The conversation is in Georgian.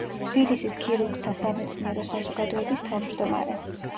თბილისის ქირურგთა სამეცნიერო საზოგადოების თავმჯდომარე.